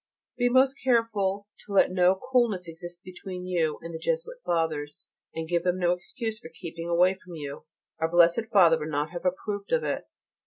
Be most careful to let no coolness exist between you and the Jesuit Fathers, and give them no excuse for keeping away from you. Our Blessed Father would not have approved of it.